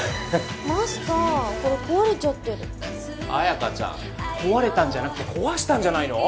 マスターこれ壊れちゃってる彩花ちゃん壊れたんじゃなくて壊したんじゃないの？